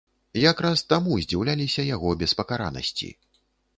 Якраз таму здзіўляліся яго беспакаранасці.